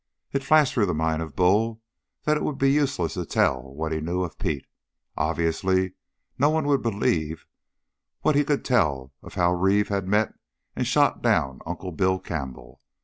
It flashed through the mind of Bull that it would be useless to tell what he knew of Pete. Obviously nobody would believe what he could tell of how Reeve had met and shot down Uncle Bill Campbell.